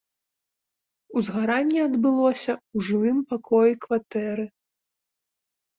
Узгаранне адбылося ў жылым пакоі кватэры.